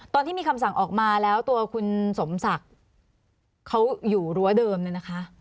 ตอนที่มีคำสั่งออกมาแล้วตัวคุณสมศักดิ์เขาอยู่รั้วเดิมเนี่ยนะคะ